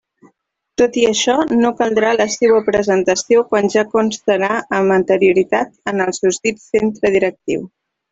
Tot i això, no caldrà la seua presentació quan ja constara amb anterioritat en el susdit centre directiu.